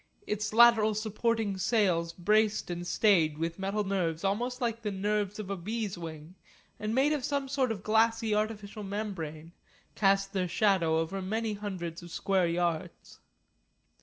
Its lateral supporting sails braced and stayed with metal nerves almost like the nerves of a bee's wing, and made of some sort of glassy artificial membrane, cast their shadow over many hundreds of square yards.